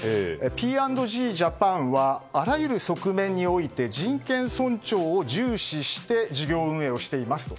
Ｐ＆Ｇジャパンはあらゆる側面において人権尊重を重視して事業運営をしていますと。